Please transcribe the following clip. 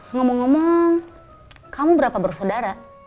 ngomong ngomong kamu berapa bersaudara